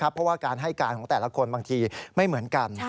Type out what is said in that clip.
เพราะว่าการให้การของแต่ละคนบางทีไม่เหมือนกัน